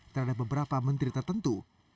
terhadap beberapa menteri tertentu